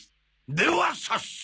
では早速。